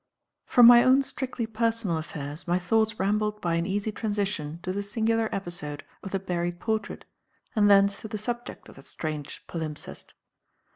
From my own strictly personal affairs my thoughts rambled by an easy transition to the singular episode of the buried portrait, and thence to the subject of that strange palimpsest.